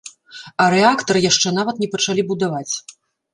А рэактар яшчэ нават не пачалі будаваць.